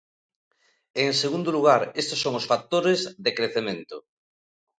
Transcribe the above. E, en segundo lugar, estes son os factores de crecemento.